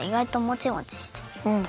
うん。